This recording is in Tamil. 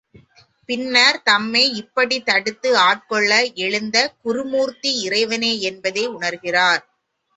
பின்னர் தம்மை இப்படித் தடுத்து ஆட்கொள்ள எழுந்த குருமூர்த்தி இறைவனே என்பதை உணர்கிறார்.